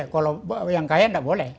kalau yang kaya tidak boleh